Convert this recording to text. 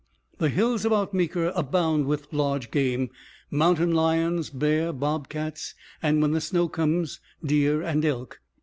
The hills about Meeker abound with large game mountain lions, bear, bobcats, and, when the snow comes, deer and elk.